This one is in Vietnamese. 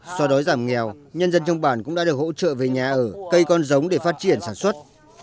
so đói giảm nghèo nhân dân trong bản cũng đã được hỗ trợ về nhà ở cây con giống để phát triển sản xuất